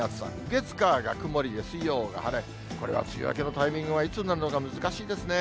月、火が曇りで、水曜が晴れ、これは梅雨明けのタイミングはいつになるのか、難しいですね。